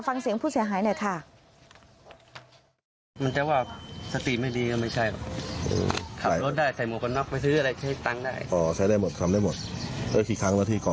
ฟังเสียงผู้เสียหายหน่อยค่ะ